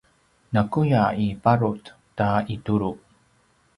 nakuya iparut ta itulu